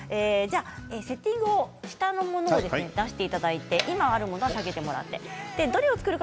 セッティングを下のものを出していただいて今あるものは下げていただいて。